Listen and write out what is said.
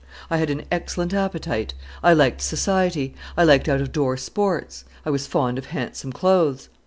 I had an excellent appetite, I liked society, I liked out of door sports, I was fond of handsome clothes.